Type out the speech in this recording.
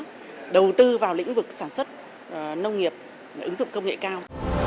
đầu tư vào lĩnh vực sản xuất nông nghiệp ứng dụng công nghệ cao